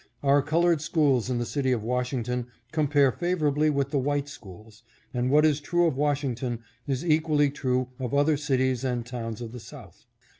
Our colored schools in the city of Washington compare favorably with the white schools, and what is true of Washington is equally true of other cities and towns of the South.